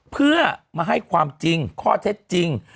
เพื่อมาให้ความจริงข้อเท็จจริง